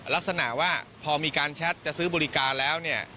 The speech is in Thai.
ลักษณะว่าพอมีการแชทจะซื้อบริการแล้วเนี่ย